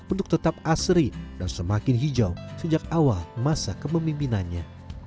untuk tetap asri dan semakin hijau sejak awal masa kepemimpinannya